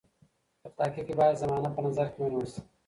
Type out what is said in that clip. په تحقیق کې باید زمانه په نظر کې ونیول سي.